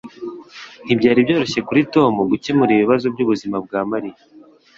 Ntibyari byoroshye kuri Tom gukemura ibibazo byubuzima bwa Mariya.